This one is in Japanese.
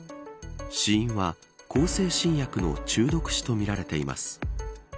死因は向精神薬の中毒死とみられています。